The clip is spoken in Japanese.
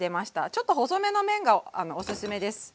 ちょっと細めの麺がおすすめです。